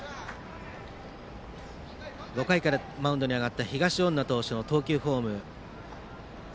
５回からマウンドに上がった東恩納投手の投球フォーム。